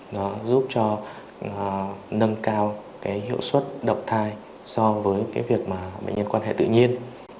nó giúp cho nâng cao hiệu suất độc thai so với việc bệnh nhân quan hệ tự nhiên